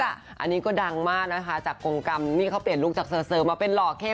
อันนี้ก็ดังมากนะคะจากกรงกรรมนี่เขาเปลี่ยนลุคจากเซอร์มาเป็นหล่อเข้